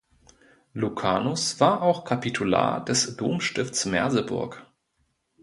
Lucanus war auch Kapitular des Domstifts Merseburg.